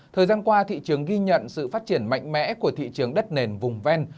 thời gian qua thị trường ghi nhận sự phát triển mạnh mẽ của thị trường đất nền vùng ven